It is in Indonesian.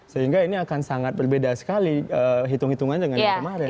sehingga ini akan sangat berbeda sekali hitung hitungan dengan yang kemarin